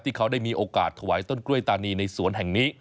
ที่เขาได้มีโอกาสถวายต้นกล้วยตานีในสวนแห่งนี้